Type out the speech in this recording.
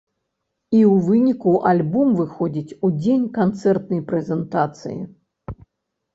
І ў выніку альбом выходзіць у дзень канцэртнай прэзентацыі.